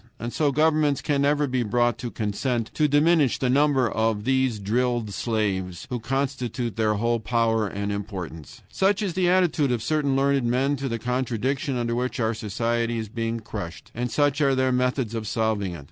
And so governments can never be brought to consent to diminish the number of these drilled slaves, who constitute their whole power and importance. Such is the attitude of certain learned men to the contradiction under which our society is being crushed, and such are their methods of solving it.